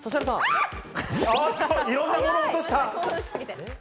いろんな物を落とした。